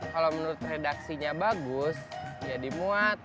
kalau menurut redaksinya bagus ya dimuat